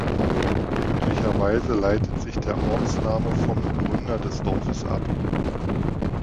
Möglicherweise leitet sich der Ortsname vom Gründer des Dorfes ab.